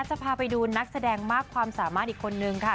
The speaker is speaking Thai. จะพาไปดูนักแสดงมากความสามารถอีกคนนึงค่ะ